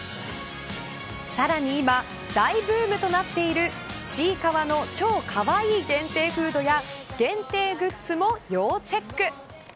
さらに今大ブームとなっているちいかわの超かわいい限定フードや限定グッズも要チェック。